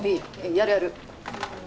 やるやる。